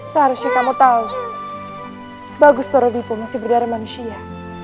seharusnya kamu tahu bagus toro dipo masih berdarah manusia